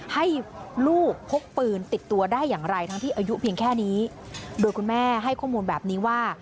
ให้ลูกพกปืนติดตัวได้อย่างไรทั้งที่อายุเพียงแค่นี้โดยคุณแม่ให้ข้อมูลแบบนี้ว่า